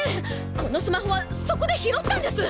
このスマホはそこで拾ったんです！